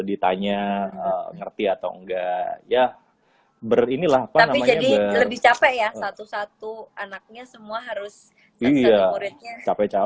ditanya ngerti atau enggak ya berinilah tapi jadi lebih capek ya satu satu anaknya semua harus